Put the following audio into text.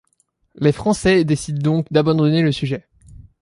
Les Français décident donc d'abandonner le sujet.